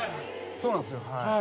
そうなんですよはい。